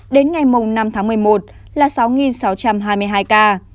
đến ngày năm tháng một mươi một là sáu sáu trăm hai mươi hai ca